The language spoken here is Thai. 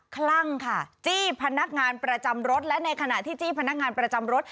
คลั่งค่ะจี้พนักงานประจำรถและในขณะที่จี้พนักงานประจำรถ